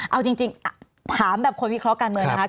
เอาจริงถามแบบคนวิเคราะห์การเมืองนะคะ